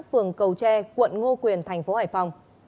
phường cầu tre quận ngô quyền thành phố hải phòng